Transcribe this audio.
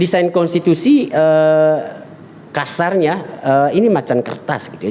desain konstitusi kasarnya ini macan kertas gitu ya